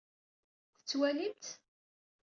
Tettwalim-t?